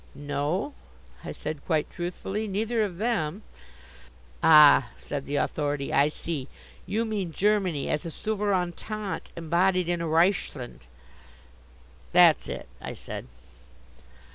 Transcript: "No," I said, quite truthfully, "neither of them." "Ah," said the Authority, "I see; you mean Germany as a Souverantat embodied in a Reichsland." "That's it," I said.